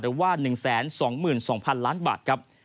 หรือว่า๑๒๒๐๐๐ล้านบาทครับ